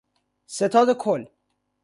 ستاد کل